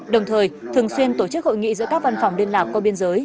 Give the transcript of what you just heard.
đồng thời thường xuyên tổ chức hội nghị giữa các văn phòng liên lạc qua biên giới